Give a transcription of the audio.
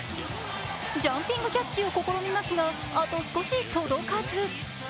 ジャンピングキャッチを試みますがあと少し届かず。